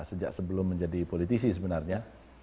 sejak sebelum menjadi politisi sebenarnya